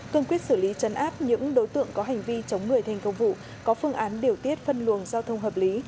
cương quyết xử lý chấn áp những đối tượng có hành vi chống người thành công vụ có phương án điều tiết phân luồng giao thông hợp lý